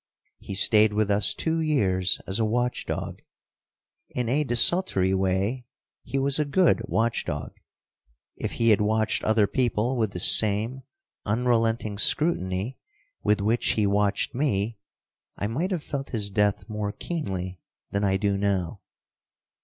He stayed with us two years as a watch dog. In a desultory way, he was a good watch dog. If he had watched other people with the same unrelenting scrutiny with which he watched me, I might have felt his death more keenly than I do now.